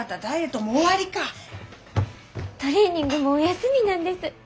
トレーニングもお休みなんです！